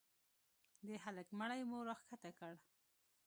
د هلك مړى مو راكښته كړ.